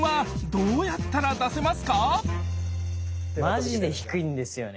マジで低いんですよね。